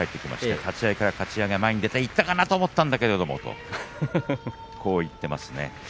立ち合いからかち上げ、前に出ていったと思ったんだけどとこう言っていました。